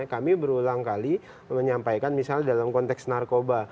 kami berulang kali menyampaikan misalnya dalam konteks narkoba